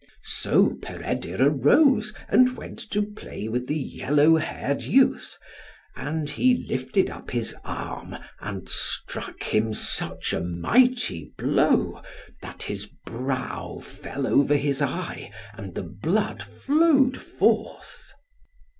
So Peredur arose, and went to play with the yellow haired youth; and he lifted up his arm, and struck him such a mighty blow, that his brow fell over his eye, and the blood flowed forth.